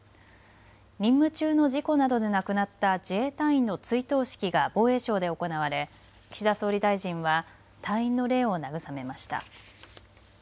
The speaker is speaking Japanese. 任務中の事故などで亡くなった自衛隊員の追悼式が防衛省で行われ岸田総理大臣は隊員の霊を慰めました。